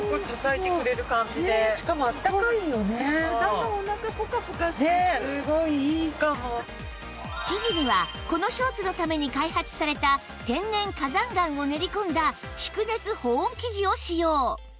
さらに生地にはこのショーツのために開発された天然火山岩を練り込んだ蓄熱保温生地を使用